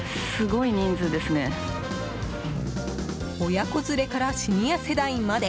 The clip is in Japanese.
親子連れからシニア世代まで。